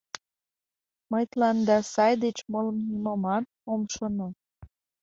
Мый тыланда сай деч молым нимомат ом шоно.